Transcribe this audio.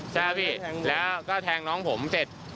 ใช่พี่แล้วก็แทงน้องผมเสร็จ